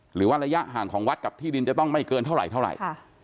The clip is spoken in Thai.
หรือว่าระยะห่างของวัดกับที่ดินจะต้องไม่เกินเท่าไหร่